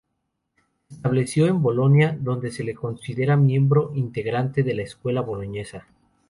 Se estableció en Bolonia, donde se le considera miembro integrante de la Escuela Boloñesa.